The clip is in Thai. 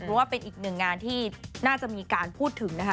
ก็ว่าเป็น๑งานที่น่าจะมีการพูดถึงนะคะ